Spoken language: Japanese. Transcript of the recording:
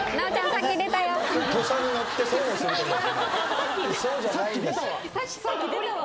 さっき出たわ。